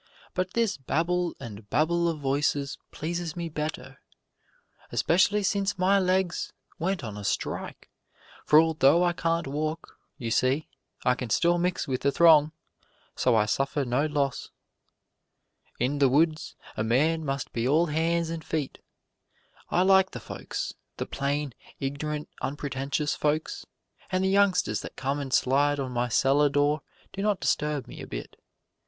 But this babble and babel of voices pleases me better, especially since my legs went on a strike, for although I can't walk, you see I can still mix with the throng, so I suffer no loss. "In the woods, a man must be all hands and feet. I like the folks, the plain, ignorant, unpretentious folks; and the youngsters that come and slide on my cellar door do not disturb me a bit.